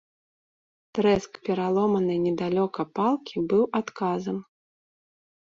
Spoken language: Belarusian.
Трэск пераломанай недалёка палкі быў адказам.